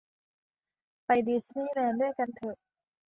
ไปดิสนี่แลนด์ด้วยกันเถอะ